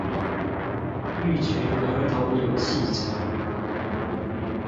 育群兒童遊戲場